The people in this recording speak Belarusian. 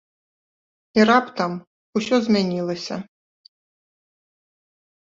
І раптам усё змянілася.